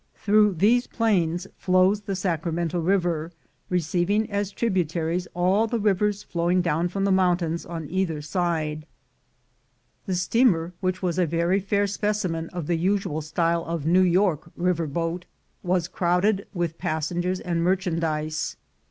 Through these plains flows the Sacramento river, receiving as tributaries all the rivers flowing down from the mountains on either side. 99 100 THE GOLD HUNTERS The steamer — which was a very fair specimen of the usual style of New York river boat — was crowd ed with passengers and merchandise.